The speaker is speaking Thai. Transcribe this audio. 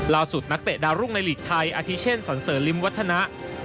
ลาสุดนักเตะดารุ่งในหลีกไทยอธิเช่นสอนเสริมลิมวัฒนา